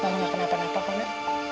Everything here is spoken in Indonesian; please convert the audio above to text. mama gak kena pernah apa mona